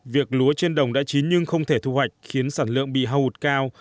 việc lúa trên đồng đã chín nhưng không thể thu hoạch khiến sản lượng bị hầu hụt cao